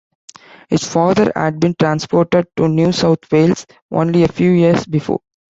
His father had been transported to New South Wales only a few years before.